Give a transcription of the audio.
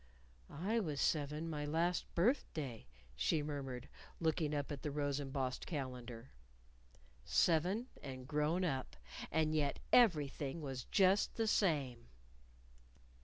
"I was seven my last birthday," she murmured, looking up at the rose embossed calendar. Seven, and grown up and yet everything was just the same!